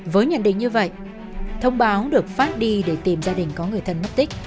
với nhận định như vậy thông báo được phát đi để tìm gia đình có người thân mất tích